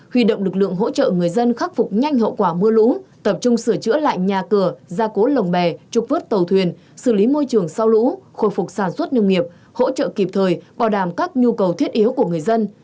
huy động lực lượng hỗ trợ người dân khắc phục nhanh hậu quả mưa lũ tập trung sửa chữa lại nhà cửa gia cố lồng bè trục vớt tàu thuyền xử lý môi trường sau lũ khôi phục sản xuất nông nghiệp hỗ trợ kịp thời bảo đảm các nhu cầu thiết yếu của người dân